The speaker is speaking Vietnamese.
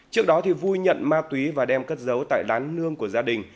trước đó vui nhận ma túy và đem cất giấu tại đán nương của gia đình